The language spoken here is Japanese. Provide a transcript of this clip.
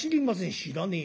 「知らねえ。